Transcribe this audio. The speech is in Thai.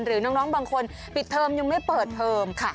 หรือน้องบางคนปิดเทอมยังไม่เปิดเทอมค่ะ